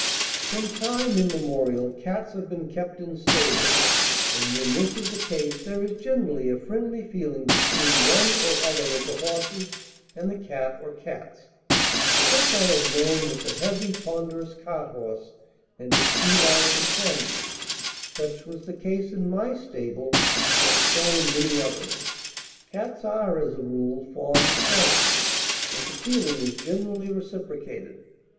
From time immemorial cats have been kept in stables, and when this is the case there is generally a friendly feeling between one or other of the horses and the cat or cats. Such I have known with the heavy, ponderous cart horse and his feline companion; such was the case in my stable, and so in many others. Cats are as a rule fond of horses, and the feeling is generally reciprocated.